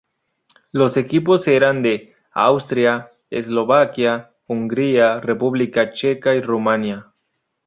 Los equipos eran de Austria, Eslovaquia, Hungría, República Checa y Rumania.